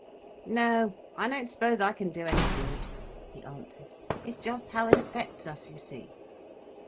"No, I don't suppose I can do any good," he answered. "It's just how it affects us, you see."